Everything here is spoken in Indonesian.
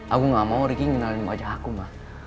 aku gak mau ricky ngenalin wajah aku mah